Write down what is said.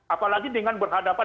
apalagi dengan berhadapan